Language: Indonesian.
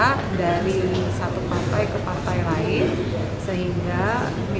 kami tidak digaji oleh negara